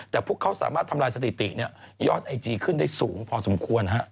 แต่พวกเขาสามารถทำลายสถิติยอดไอจีขึ้นได้สูงพอสมควร